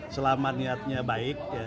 selama niatnya baik